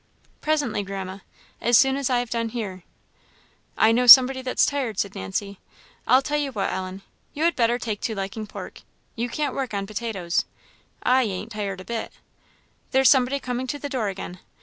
"Presently, Grandma, as soon as I have done here." "I know somebody that's tired," said Nancy. "I tell you what, Ellen, you had better take to liking pork; you can't work on potatoes. I ain't tired a bit. There's somebody coming to the door again!